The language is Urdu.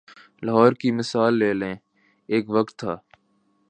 لاہور کی مثال لے لیں، ایک وقت تھا۔